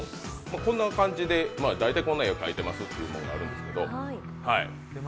こんな感じで大体こんな絵を描いていますというのがあるんですけど。